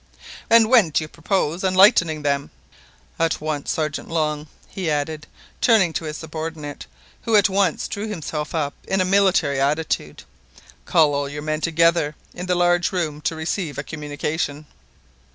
"And when do you propose enlightening them?" "At once. Sergeant Long," he added, turning to his subordinate, who at once drew himself up in a military attitude, "call all your men together in the large room to receive a communication."